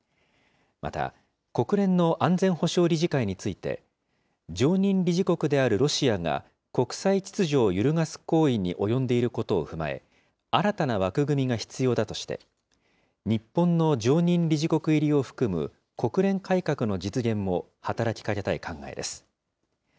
また、国連の安全保障理事会について、常任理事国であるロシアが国際秩序を揺るがす行為に及んでいることを踏まえ、新たな枠組みが必要だとして、日本の常任理事国入りを含む国連改革の実現も働きかけたい考えです。